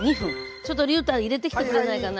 ちょっとりゅうた入れてきてくれないかな。